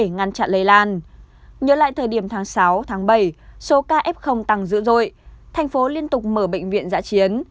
nhớ lại thời điểm tháng sáu tháng bảy số ca f tăng dữ dội thành phố liên tục mở bệnh viện giã chiến